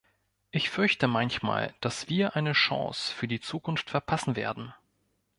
Ich fürchte manchmal, dass wir eine Chance für die Zukunft verpassen werden.